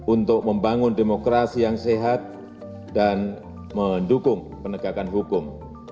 untuk membangun demokrasi yang sehat dan mendukung penegakan hukum